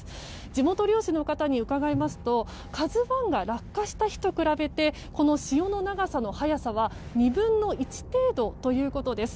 地元漁師の方に伺いますと「ＫＡＺＵ１」が落下した日と比べてこの潮の流れの速さは２分の１程度ということです。